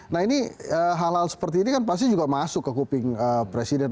nah ini hal hal seperti ini kan pasti juga masuk ke kuping presiden